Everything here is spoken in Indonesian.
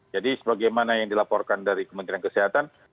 jadi sebagaimana yang dilaporkan dari kementerian kesehatan